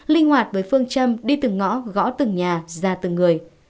linh hoạt với phương châm đi từng ngõ gõ từng nhà ra từng người